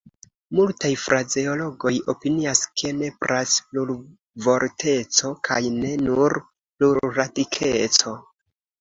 Multaj frazeologoj opinias, ke nepras plurvorteco kaj ne nur plurradikeco.